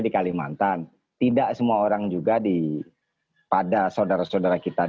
di kalimantan tidak semua orang juga pada saudara saudara kita